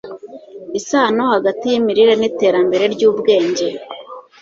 Isano Hagati yImirire nIterambere ryUbwenge